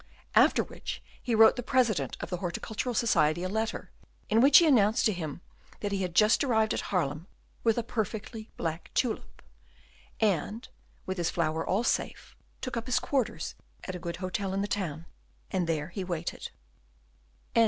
After which he wrote the President of the Horticultural Society a letter, in which he announced to him that he had just arrived at Haarlem with a perfectly black tulip; and, with his flower all safe, took up his quarters at a good hotel in the town, and there he waited.